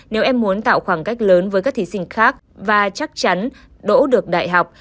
nếu em muốn tạo khoảng cách lớn với các thí sinh khác và chắc chắn đỗ được đại học